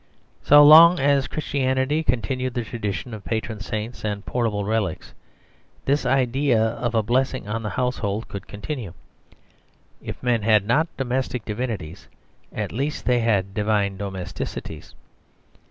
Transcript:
So long as Christianity continued the tradition of patron saints and portable relics, this idea of a blessing on the household could continue. If men had not domestic divinities, at least they had divine domesticities.